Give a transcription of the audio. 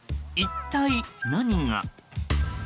一体何が。